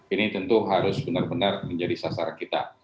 ini tentu harus benar benar menjadi sasaran kita